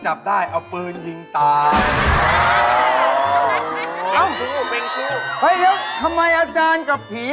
ช่วยอาจารย์หน้าไอ้เชีย